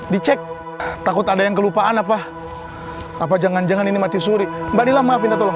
dicek takut ada yang kelupaan apa apa jangan jangan ini mati suri mbak dila maaf minta tolong